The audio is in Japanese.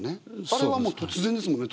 あれはもう突然ですもんね